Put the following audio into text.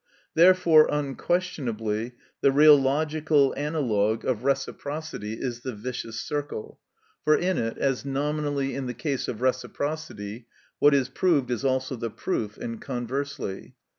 Therefore, unquestionably, the real logical analogue of reciprocity is the vicious circle, for in it, as nominally in the case of reciprocity, what is proved is also the proof, and conversely.